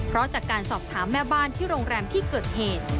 เพราะจากการสอบถามแม่บ้านที่โรงแรมที่เกิดเหตุ